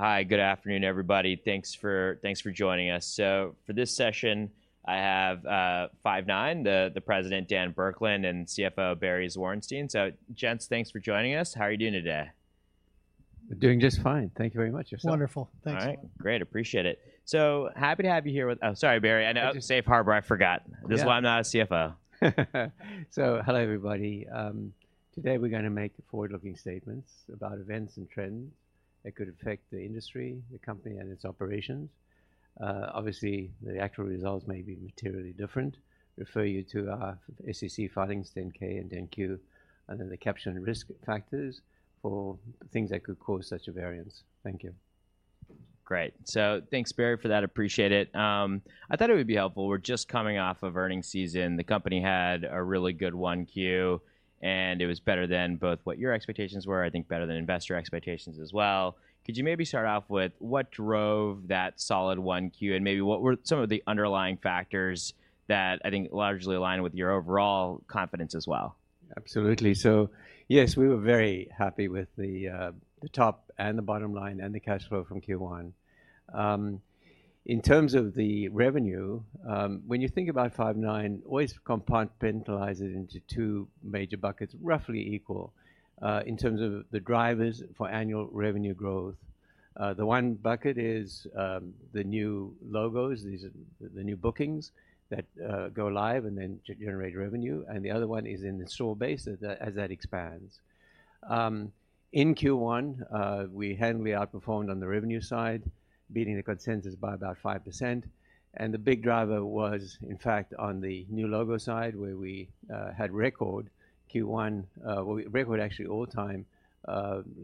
Hi, good afternoon, everybody. Thanks for joining us. For this session, I have Five9, the President, Dan Burkland, and CFO, Barry Zwarenstein. Gents, thanks for joining us. How are you doing today? Doing just fine. Thank you very much, yourself? Wonderful. Thanks. All right. Great. Appreciate it. Happy to have you here Oh, sorry, Barry. I know safe harbor, I forgot. Yeah. This is why I'm not a CFO. Hello, everybody. Today we're going to make forward-looking statements about events and trends that could affect the industry, the company, and its operations. Obviously, the actual results may be materially different. Refer you to our SEC filings, 10-K and 10-Q, under the caption Risk Factors for things that could cause such a variance. Thank you. Great. Thanks, Barry, for that. Appreciate it. I thought it would be helpful. We're just coming off of earning season. The company had a really good 1Q. It was better than both what your expectations were, I think, better than investor expectations as well. Could you maybe start off with what drove that solid 1Q, and maybe what were some of the underlying factors that I think largely align with your overall confidence as well? Absolutely. Yes, we were very happy with the top and the bottom line and the cash flow from Q1. In terms of the revenue, when you think about Five9, always compartmentalize it into two major buckets, roughly equal in terms of the drivers for annual revenue growth. The one bucket is the new logos. These are the new bookings that go live and then generate revenue, and the other one is in the store base as that expands. In Q1, we handily outperformed on the revenue side, beating the consensus by about 5%. The big driver was, in fact, on the new logo side, where we had record Q1, well, Record, actually, all-time,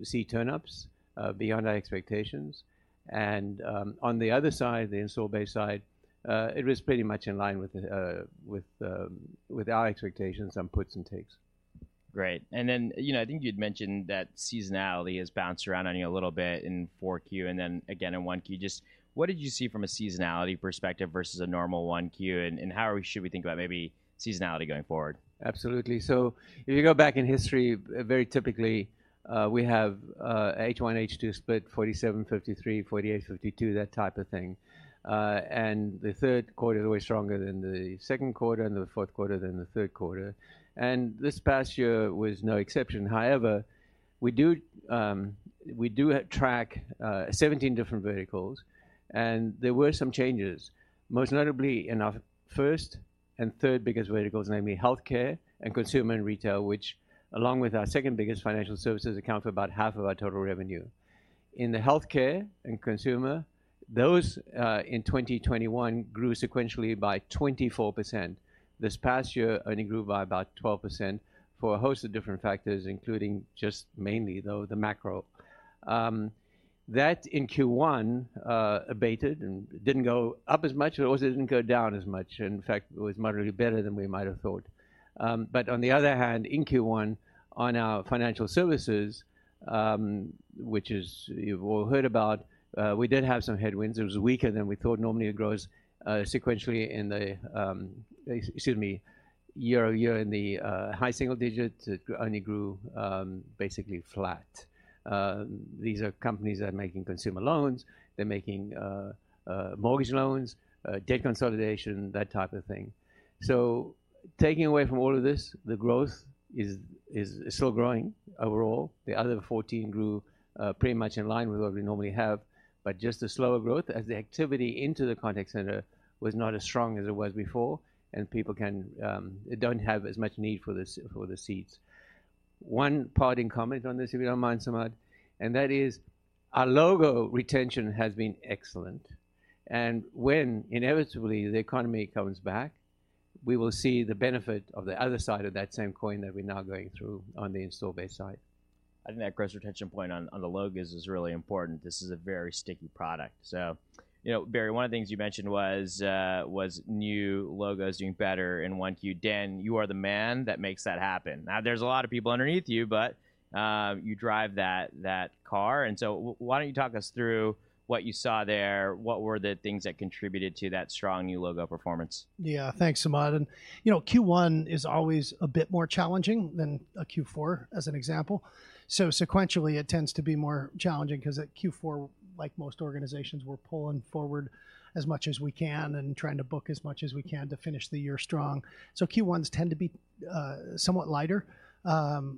see turn-ups, beyond our expectations. On the other side, the install base side, it was pretty much in line with our expectations on puts and takes. Great. You know, I think you'd mentioned that seasonality has bounced around on you a little bit in 4Q and then again in 1Q. Just what did you see from a seasonality perspective versus a normal 1Q, should we think about maybe seasonality going forward? Absolutely. If you go back in history, very typically, we have H1, H2 split, 47, 53, 48, 52, that type of thing. The third quarter is always stronger than the second quarter and the fourth quarter than the third quarter. This past year was no exception. However, we do, we do track 17 different verticals, and there were some changes, most notably in our first and third biggest verticals, namely healthcare and consumer and retail, which, along with our second biggest financial services, account for about half of our total revenue. In the healthcare and consumer, those in 2021, grew sequentially by 24%. This past year, only grew by about 12% for a host of different factors, including just mainly, though, the macro. That in Q1 abated and didn't go up as much, and it also didn't go down as much. It was moderately better than we might have thought. In Q1, on our financial services, which is you've all heard about, we did have some headwinds. It was weaker than we thought. Normally, it grows sequentially in the year-over-year in the high single digits. It only grew basically flat. These are companies that are making consumer loans, they're making mortgage loans, debt consolidation, that type of thing. The growth is still growing overall. The other 14 grew, pretty much in line with what we normally have, but just a slower growth as the activity into the contact center was not as strong as it was before, and people don't have as much need for the seats. One parting comment on this, if you don't mind, Samad, and that is our logo retention has been excellent. When inevitably the economy comes back, we will see the benefit of the other side of that same coin that we're now going through on the install base side. I think that gross retention point on the logos is really important. You know, Barry, one of the things you mentioned was new logos doing better in 1Q. Dan, you are the man that makes that happen. There's a lot of people underneath you, but you drive that car. Why don't you talk us through what you saw there? What were the things that contributed to that strong new logo performance? Yeah. Thanks, Samad. You know, Q1 is always a bit more challenging than a Q4, as an example. Sequentially, it tends to be more challenging because at Q4, like most organizations, we're pulling forward as much as we can and trying to book as much as we can to finish the year strong. Q1s tend to be somewhat lighter.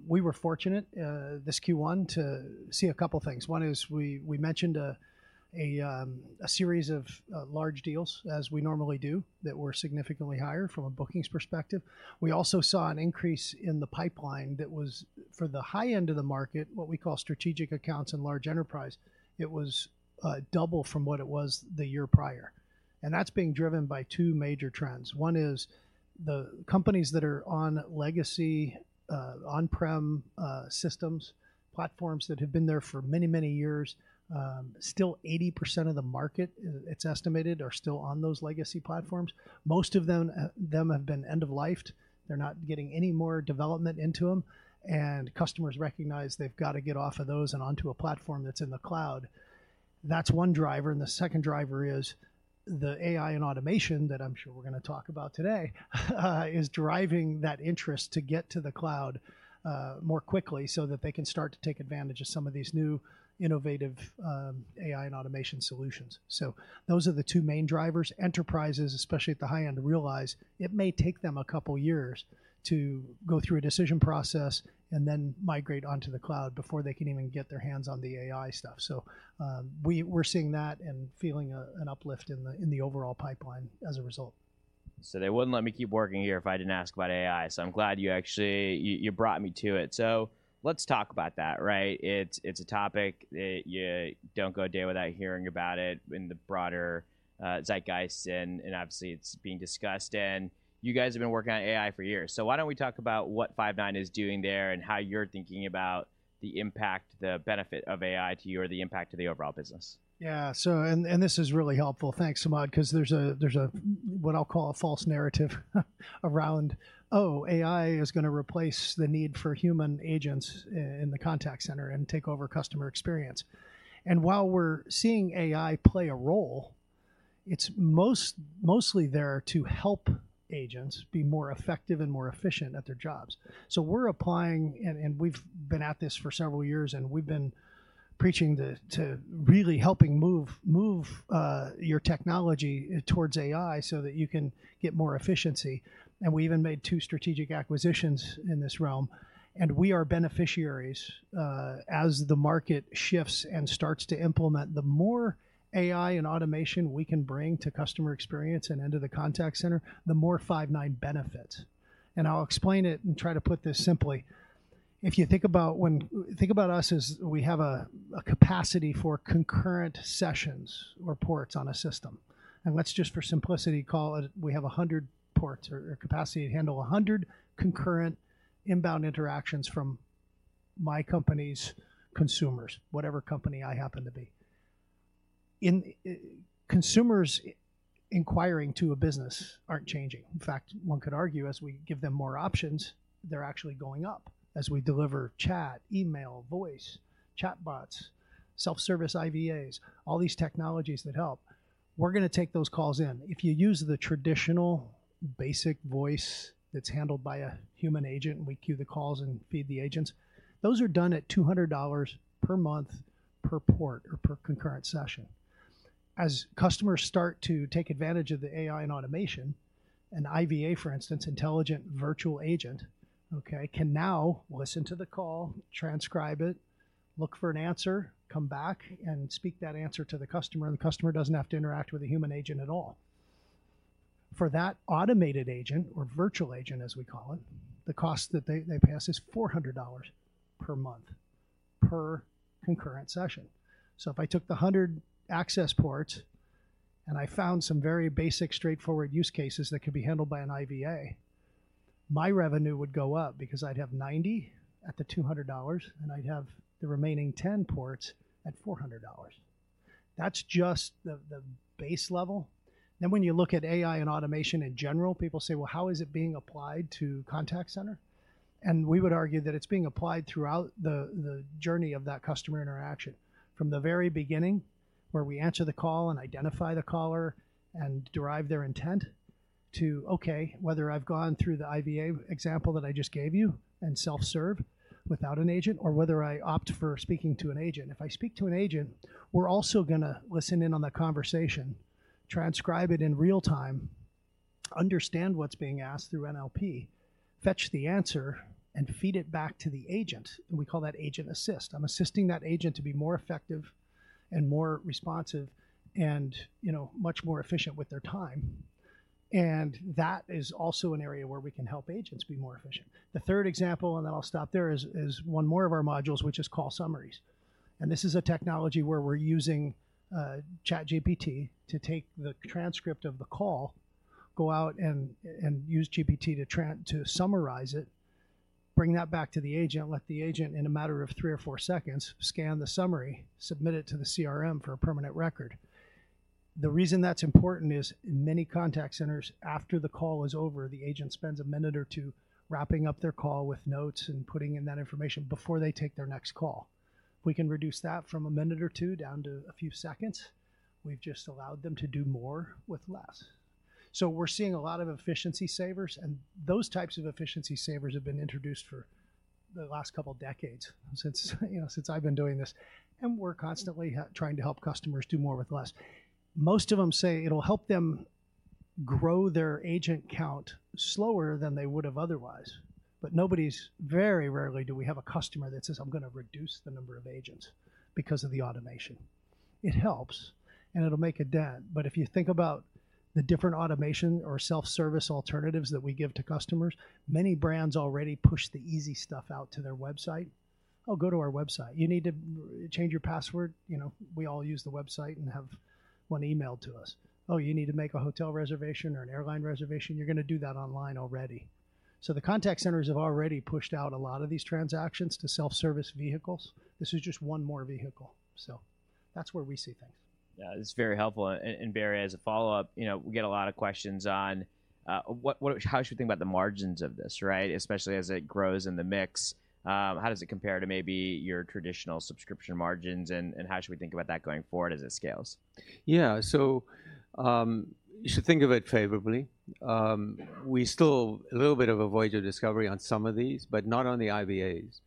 We were fortunate this Q1 to see a couple of things. One is we mentioned a series of large deals, as we normally do, that were significantly higher from a bookings perspective. We also saw an increase in the pipeline that was for the high end of the market, what we call strategic accounts and large enterprise. It was double from what it was the year prior, that's being driven by two major trends. One is the companies that are on legacy, on-prem, systems, platforms that have been there for many, many years, still 80% of the market, it's estimated, are still on those legacy platforms. Most of them have been end of lifed. They're not getting any more development into them. Customers recognize they've got to get off of those and onto a platform that's in the cloud. That's one driver. The second driver is the AI and automation, that I'm sure we're gonna talk about today, is driving that interest to get to the cloud, more quickly so that they can start to take advantage of some of these new innovative, AI and automation solutions. Those are the two main drivers. Enterprises, especially at the high end, realize it may take them a couple years to go through a decision process and then migrate onto the cloud before they can even get their hands on the AI stuff. We're seeing that and feeling an uplift in the overall pipeline as a result. They wouldn't let me keep working here if I didn't ask about AI, so I'm glad you actually, you brought me to it. Let's talk about that, right? It's a topic that you don't go a day without hearing about it in the broader zeitgeist, and obviously, it's being discussed, and you guys have been working on AI for years. Why don't we talk about what Five9 is doing there and how you're thinking about the impact, the benefit of AI to you or the impact to the overall business? This is really helpful. Thanks, Samad, 'cause there's a what I'll call a false narrative around, "Oh, AI is gonna replace the need for human agents in the contact center and take over customer experience." While we're seeing AI play a role, it's mostly there to help agents be more effective and more efficient at their jobs. We're applying, and we've been at this for several years, and we've been preaching to really helping move your technology towards AI so that you can get more efficiency, and we even made two strategic acquisitions in this realm, and we are beneficiaries. As the market shifts and starts to implement, the more AI and automation we can bring to customer experience and into the contact center, the more Five9 benefits. I'll explain it and try to put this simply: if you think about think about us as we have a capacity for concurrent sessions or ports on a system, and let's just, for simplicity, call it we have 100 ports or capacity to handle 100 concurrent inbound interactions from my company's consumers, whatever company I happen to be in. Consumers inquiring to a business aren't changing. In fact, one could argue, as we give them more options, they're actually going up as we deliver chat, email, voice, chatbots, self-service IVAs, all these technologies that help. We're gonna take those calls in. If you use the traditional basic voice that's handled by a human agent, and we queue the calls and feed the agents, those are done at $200 per month, per port or per concurrent session. As customers start to take advantage of the AI and automation, an IVA, for instance, Intelligent Virtual Agent, okay, can now listen to the call, transcribe it, look for an answer, come back, and speak that answer to the customer, and the customer doesn't have to interact with a human agent at all. For that automated agent or virtual agent, as we call it, the cost that they pass is $400 per month per concurrent session. If I took the 100 access ports, and I found some very basic, straightforward use cases that could be handled by an IVA, my revenue would go up because I'd have 90 at the $200, and I'd have the remaining 10 ports at $400. That's just the base level. When you look at AI and automation in general, people say, "Well, how is it being applied to contact center?" We would argue that it's being applied throughout the journey of that customer interaction. From the very beginning, where we answer the call and identify the caller and derive their intent, to, okay, whether I've gone through the IVA example that I just gave you and self-serve without an agent, or whether I opt for speaking to an agent. If I speak to an agent, we're also gonna listen in on that conversation, transcribe it in real time, understand what's being asked through NLP, fetch the answer, and feed it back to the agent, and we call that Agent Assist. I'm assisting that agent to be more effective and more responsive and, you know, much more efficient with their time. That is also an area where we can help agents be more efficient. The third example, then I'll stop there, is one more of our modules, which is call summaries. This is a technology where we're using ChatGPT to take the transcript of the call, go out and use GPT to summarize it, bring that back to the agent, let the agent, in a matter of three or four seconds, scan the summary, submit it to the CRM for a permanent record. The reason that's important is in many contact centers, after the call is over, the agent spends a minute or two wrapping up their call with notes and putting in that information before they take their next call. If we can reduce that from a minute or two down to a few seconds, we've just allowed them to do more with less. We're seeing a lot of efficiency savers, and those types of efficiency savers have been introduced for the last couple of decades, since, you know, since I've been doing this, and we're constantly trying to help customers do more with less. Most of them say it'll help them grow their agent count slower than they would have otherwise. Very rarely do we have a customer that says, "I'm gonna reduce the number of agents because of the automation." It helps, and it'll make a dent, but if you think about the different automation or self-service alternatives that we give to customers, many brands already push the easy stuff out to their website. "Oh, go to our website. You need to change your password?" You know, we all use the website and have one emailed to us. "Oh, you need to make a hotel reservation or an airline reservation?" You're gonna do that online already. The contact centers have already pushed out a lot of these transactions to self-service vehicles. This is just one more vehicle. That's where we see things. Yeah, that's very helpful. Barry, as a follow-up, you know, we get a lot of questions on how should we think about the margins of this, right? Especially as it grows in the mix, how does it compare to maybe your traditional subscription margins, and how should we think about that going forward as it scales? Yeah. You should think of it favorably. We still a little bit of a voyage of discovery on some of these, but not on the IVAs.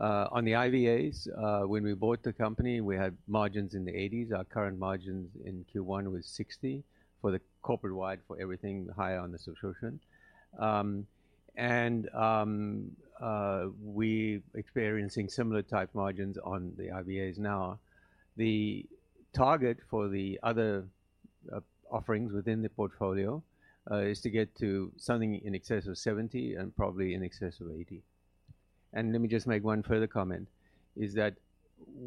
On the IVAs, when we bought the company, we had margins in the 80s. Our current margins in Q1 was 60% for the corporate-wide, for everything higher on the subscription. We're experiencing similar type margins on the IVAs now. The target for the other offerings within the portfolio is to get to something in excess of 70% and probably in excess of 80%. Let me just make one further comment, is that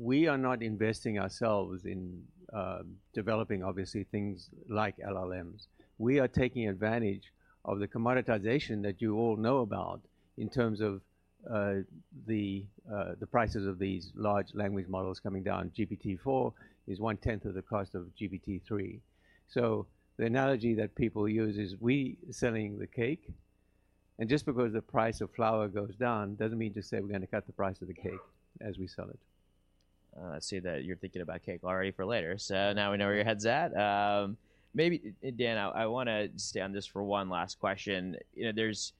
we are not investing ourselves in developing obviously things like LLMs. We are taking advantage of the commoditization that you all know about in terms of the prices of these Large Language Models coming down. GPT-4 is one-tenth of the cost of GPT-3. The analogy that people use is, we selling the cake, and just because the price of flour goes down, doesn't mean to say we're gonna cut the price of the cake as we sell it. I see that you're thinking about cake already for later. Now we know where your head's at. Maybe, Dan, I wanna stay on this for one last question. You know, this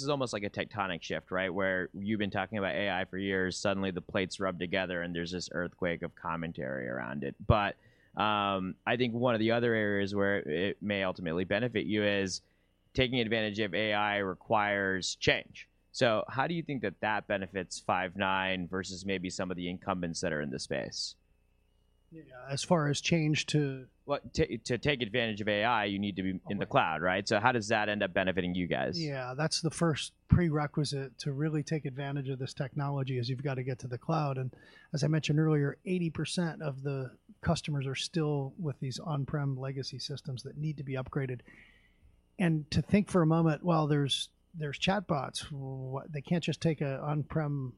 is almost like a tectonic shift, right? Where you've been talking about AI for years. Suddenly, the plates rub together, and there's this earthquake of commentary around it. I think one of the other areas where it may ultimately benefit you is taking advantage of AI requires change. How do you think that that benefits Five9 versus maybe some of the incumbents that are in the space? Yeah, as far as change to. Well, to take advantage of AI, you need to be in the cloud, right? Okay. How does that end up benefiting you guys? Yeah. That's the first prerequisite to really take advantage of this technology, is you've got to get to the cloud. As I mentioned earlier, 80% of the customers are still with these on-prem legacy systems that need to be upgraded. To think for a moment, while there's chatbots, they can't just take a on-prem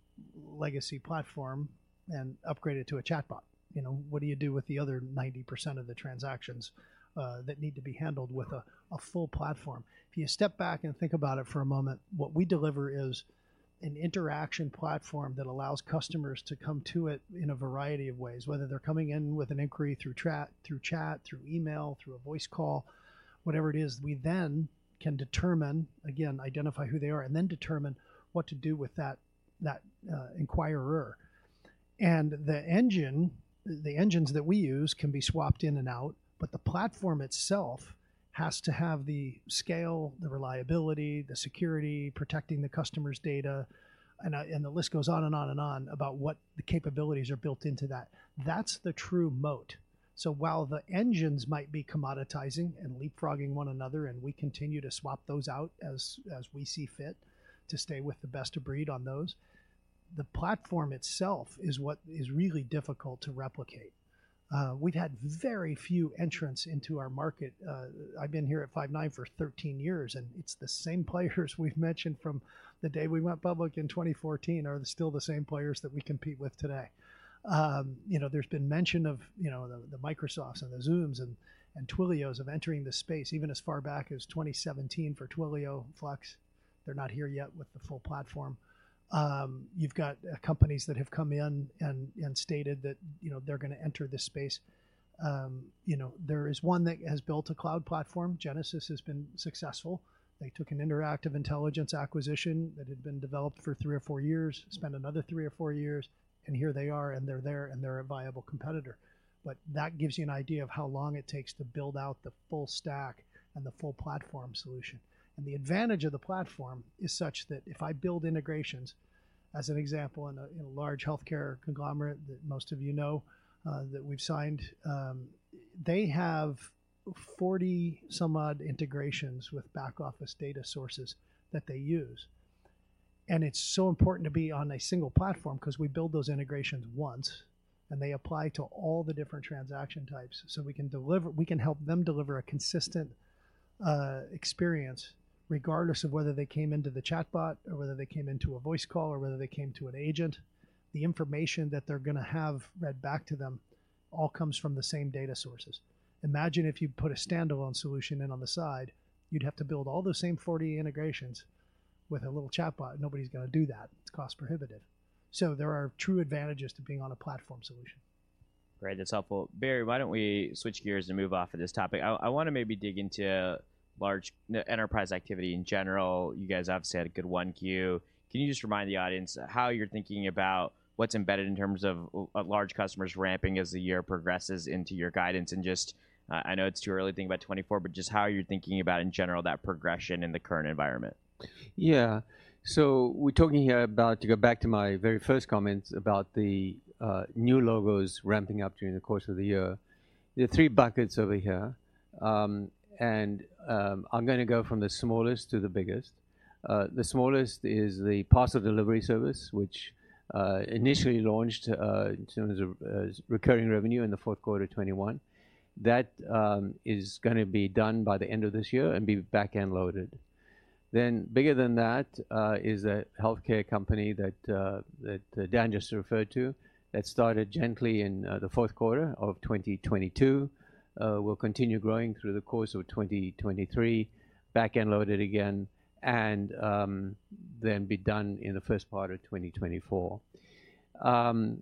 legacy platform and upgrade it to a chatbot. You know, what do you do with the other 90% of the transactions that need to be handled with a full platform? If you step back and think about it for a moment, what we deliver is an interaction platform that allows customers to come to it in a variety of ways, whether they're coming in with an inquiry through chat, through email, through a voice call, whatever it is, we then can determine... Identify who they are, and then determine what to do with that inquirer. The engines that we use can be swapped in and out, but the platform itself has to have the scale, the reliability, the security, protecting the customer's data, and the list goes on and on and on about what the capabilities are built into that. That's the true moat. While the engines might be commoditizing and leapfrogging one another, and we continue to swap those out as we see fit to stay with the best of breed on those, the platform itself is what is really difficult to replicate. We've had very few entrants into our market. I've been here at Five9 for 13 years, it's the same players we've mentioned from the day we went public in 2014, are still the same players that we compete with today. You know, there's been mention of, you know, the Microsofts and the Zooms and Twilios of entering the space, even as far back as 2017 for Twilio Flex. They're not here yet with the full platform. You've got companies that have come in and stated that, you know, they're gonna enter this space. You know, there is one that has built a cloud platform. Genesys has been successful. They took an Interactive Intelligence acquisition that had been developed for three or four years, spent another three or four years, and here they are, and they're there, and they're a viable competitor. That gives you an idea of how long it takes to build out the full stack and the full platform solution. The advantage of the platform is such that if I build integrations, as an example, in a large healthcare conglomerate that most of you know, that we've signed, they have 40 some odd integrations with back-office data sources that they use. It's so important to be on a single platform 'cause we build those integrations once, and they apply to all the different transaction types. We can help them deliver a consistent experience, regardless of whether they came into the chatbot or whether they came into a voice call or whether they came to an agent. The information that they're gonna have read back to them all comes from the same data sources. Imagine if you put a standalone solution in on the side, you'd have to build all those same 40 integrations with a little chatbot. Nobody's gonna do that. It's cost prohibitive. There are true advantages to being on a platform solution. Great, that's helpful. Barry, why don't we switch gears and move off of this topic? I wanna maybe dig into large enterprise activity in general. You guys obviously had a good 1Q. Can you just remind the audience how you're thinking about what's embedded in terms of large customers ramping as the year progresses into your guidance? Just, I know it's too early to think about 2024, but just how you're thinking about, in general, that progression in the current environment? We're talking here about, to go back to my very first comments about the new logos ramping up during the course of the year. There are three buckets over here, and, I'm gonna go from the smallest to the biggest. The smallest is the parcel delivery service, which initially launched in terms of as recurring revenue in the fourth quarter of 2021. That is gonna be done by the end of this year and be back-end loaded. Bigger than that, is a healthcare company that that Dan just referred to, that started gently in the fourth quarter of 2022, will continue growing through the course of 2023, back-end loaded again, and, then be done in the first part of 2024.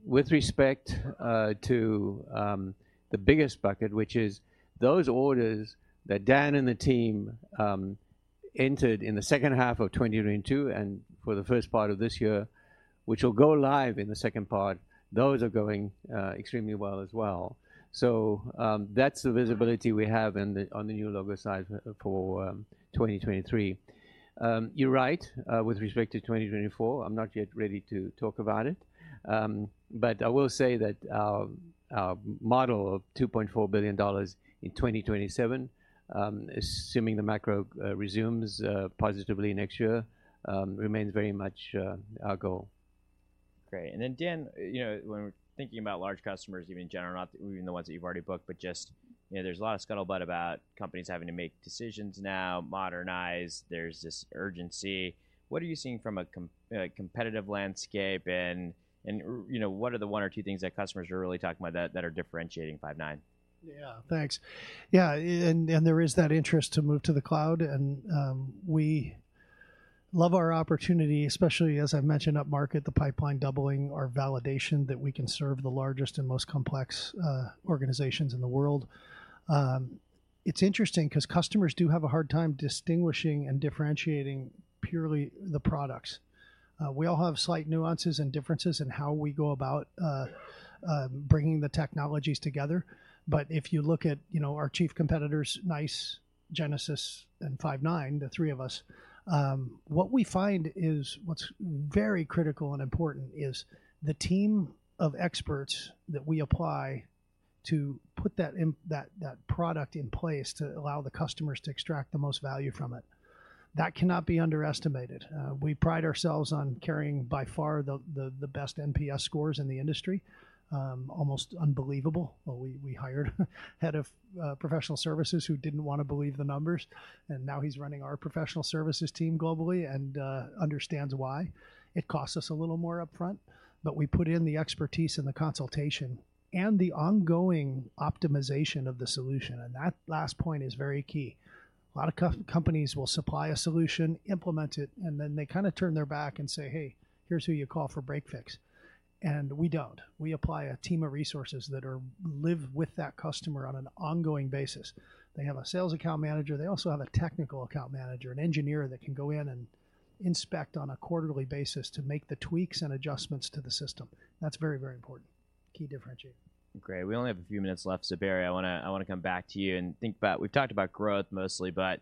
With respect to the biggest bucket, which is those orders that Dan and the team entered in the second half of 2022, and for the first part of this year, which will go live in the second part, those are going extremely well as well. That's the visibility we have on the new logo side for 2023. You're right, with respect to 2024, I'm not yet ready to talk about it. But I will say that our model of $2.4 billion in 2027, assuming the macro resumes positively next year, remains very much our goal. Great. Dan, you know, when we're thinking about large customers, even in general, not even the ones that you've already booked, but just, you know, there's a lot of scuttlebutt about companies having to make decisions now, modernize, there's this urgency. What are you seeing from a competitive landscape? And, you know, what are the one or two things that customers are really talking about that are differentiating Five9? Yeah. Thanks. Yeah, there is that interest to move to the cloud, we love our opportunity, especially as I've mentioned, upmarket, the pipeline doubling our validation that we can serve the largest and most complex organizations in the world. It's interesting 'cause customers do have a hard time distinguishing and differentiating purely the products. We all have slight nuances and differences in how we go about bringing the technologies together. If you look at, you know, our chief competitors, NICE, Genesys, and Five9, the three of us, what we find is what's very critical and important is the team of experts that we apply to put that product in place to allow the customers to extract the most value from it. That cannot be underestimated. We pride ourselves on carrying, by far, the best NPS scores in the industry. Almost unbelievable. Well, we hired head of professional services who didn't want to believe the numbers. Now he's running our professional services team globally and understands why. It costs us a little more upfront, but we put in the expertise and the consultation and the ongoing optimization of the solution. That last point is very key. A lot of companies will supply a solution, implement it, and then they kinda turn their back and say, "Hey, here's who you call for break fix." We don't. We apply a team of resources that live with that customer on an ongoing basis. They have a sales account manager. They also have a technical account manager, an engineer that can go in and inspect on a quarterly basis to make the tweaks and adjustments to the system. That's very, very important. Key differentiator. Great. We only have a few minutes left, Barry, I want to come back to you and think about... We've talked about growth mostly, but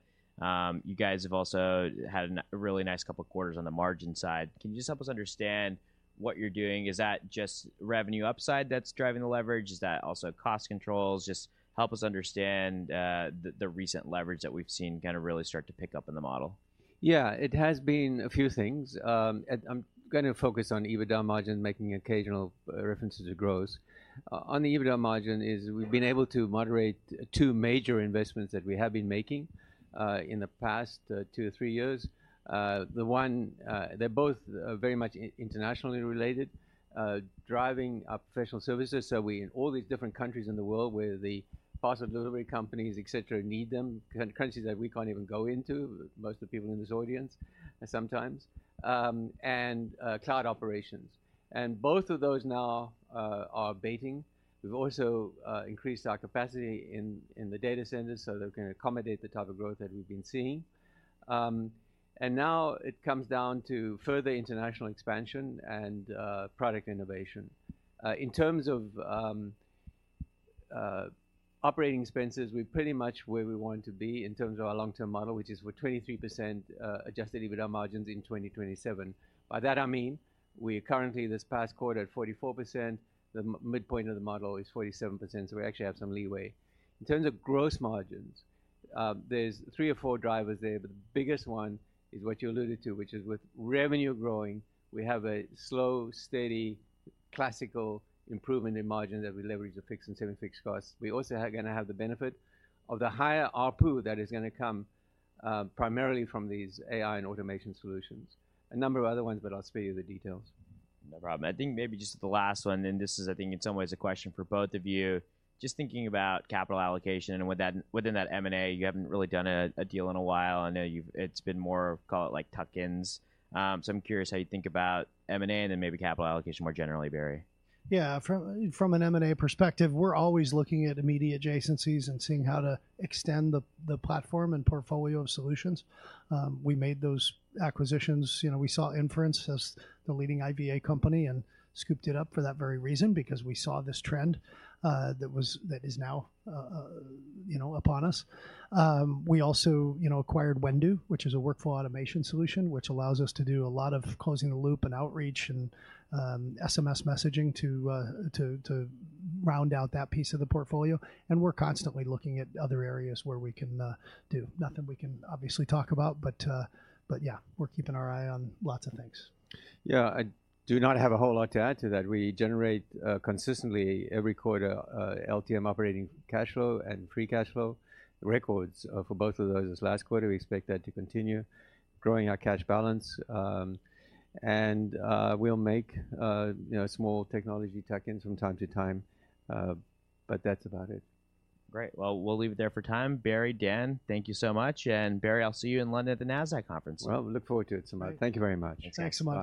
you guys have also had a really nice couple of quarters on the margin side. Can you just help us understand what you're doing? Is that just revenue upside that's driving the leverage? Is that also cost controls? Just help us understand the recent leverage that we've seen kind of really start to pick up in the model. Yeah, it has been a few things. I'm gonna focus on EBITDA margin, making occasional references to gross. On the EBITDA margin is we've been able to moderate two major investments that we have been making in the past two or three years. They're both very much internationally related, driving our professional services. We're in all these different countries in the world where the parcel delivery companies, et cetera, need them, countries that we can't even go into, most of the people in this audience, sometimes, and cloud operations. Both of those now are abating. We've also increased our capacity in the data centers so they can accommodate the type of growth that we've been seeing. Now it comes down to further international expansion and product innovation. In terms of operating expenses, we're pretty much where we want to be in terms of our long-term model, which is with 23% adjusted EBITDA margins in 2027. By that I mean, we're currently, this past quarter, at 44%. The midpoint of the model is 47%, so we actually have some leeway. In terms of gross margins, there's three or four drivers there, but the biggest one is what you alluded to, which is with revenue growing, we have a slow, steady, classical improvement in margin that we leverage the fixed and semi-fixed costs. We also are gonna have the benefit of the higher ARPU that is gonna come primarily from these AI and automation solutions. A number of other ones, but I'll spare you the details. No problem. I think maybe just the last one, this is, I think, in some ways, a question for both of you. Just thinking about capital allocation within that M&A, you haven't really done a deal in a while. I know it's been more, call it, like, tuck-ins. I'm curious how you think about M&A and then maybe capital allocation more generally, Barry. Yeah. From an M&A perspective, we're always looking at immediate adjacencies and seeing how to extend the platform and portfolio of solutions. We made those acquisitions. You know, we saw Inference as the leading IVA company and scooped it up for that very reason, because we saw this trend that is now, you know, upon us. We also, you know, acquired Whendu, which is a workflow automation solution, which allows us to do a lot of closing the loop and outreach and SMS messaging to round out that piece of the portfolio. We're constantly looking at other areas where we can do. Nothing we can obviously talk about, but yeah, we're keeping our eye on lots of things. Yeah. I do not have a whole lot to add to that. We generate consistently every quarter LTM operating cash flow and free cash flow records for both of those this last quarter. We expect that to continue growing our cash balance. We'll make, you know, small technology tuck-ins from time-to-time. That's about it. Great. Well, we'll leave it there for time. Barry, Dan, thank you so much. Barry, I'll see you in London at the Nasdaq conference. Well, look forward to it, Samad. Thank you very much. Thanks so much.